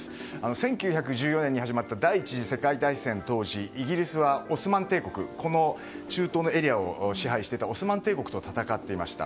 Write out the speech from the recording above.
１９１４年に始まった第１次世界大戦当時イギリスは、オスマン帝国中東のエリアを支配していたオスマン帝国と戦っていました。